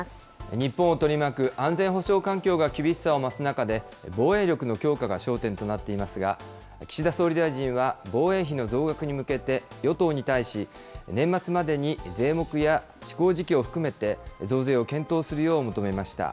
日本を取り巻く安全保障環境が厳しさを増す中で、防衛力の強化が焦点となっていますが、岸田総理大臣は防衛費の増額に向けて、与党に対し、年末までに税目や施行時期を含めて、増税を検討するよう求めました。